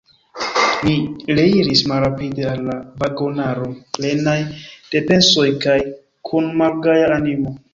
Ni reiris malrapide al la vagonaro, plenaj de pensoj kaj kun malgaja animo.